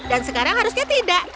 dan sekarang harusnya tidak